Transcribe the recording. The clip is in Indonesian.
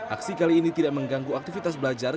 aksi kali ini tidak mengganggu aktivitas belajar